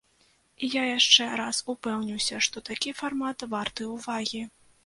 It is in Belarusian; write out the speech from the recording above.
І я яшчэ раз упэўніўся, што такі фармат варты ўвагі.